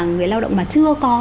người lao động mà chưa có